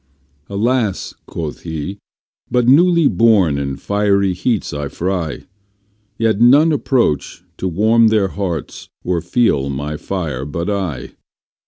Alas, quoth he, but newly born in fiery heats I fry, Yet none approach to warm their hearts or feel my fire but I!